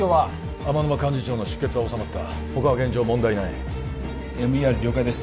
天沼幹事長の出血はおさまったほかは現状問題ないＭＥＲ了解です